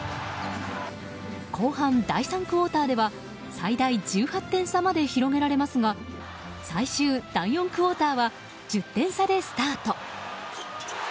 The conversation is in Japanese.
後半第３クオーターでは最大１８点差まで広げられますが最終第４クオーターは１０点差でスタート。